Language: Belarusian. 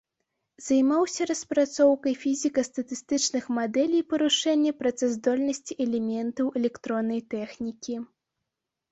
Займаўся распрацоўкай фізіка-статыстычных мадэлей парушэнняў працаздольнасці элементаў электроннай тэхнікі.